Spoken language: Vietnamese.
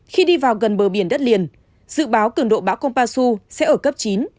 khi đi vào gần bờ biển đất liền dự báo cường độ báo kompassu sẽ ở cấp chín